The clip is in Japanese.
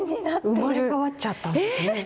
生まれ変わっちゃったんですね。